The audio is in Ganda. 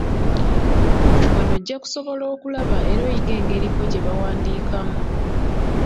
Wano ojja kusobola okulaba era oyige engeri bo gye baawandiikamu.